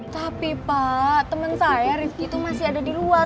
tapi pak teman saya rifki itu masih ada di luar